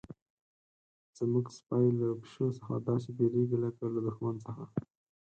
زموږ سپی له پیشو څخه داسې بیریږي لکه له دښمن څخه.